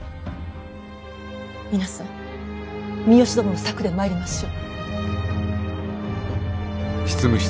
皆さん三善殿の策でまいりましょう。